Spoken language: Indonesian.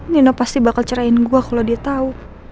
nino pasti bakal cerain gue kalo dia tau